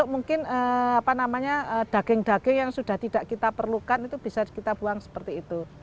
mungkin apa namanya daging daging yang sudah tidak kita perlukan itu bisa kita buang seperti itu